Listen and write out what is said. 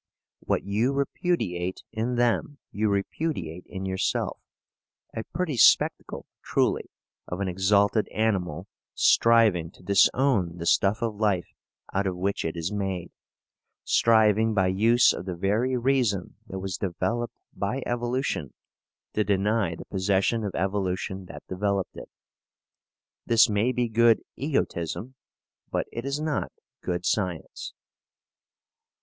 What you repudiate in them you repudiate in yourself a pretty spectacle, truly, of an exalted animal striving to disown the stuff of life out of which it is made, striving by use of the very reason that was developed by evolution to deny the possession of evolution that developed it. This may be good egotism, but it is not good science.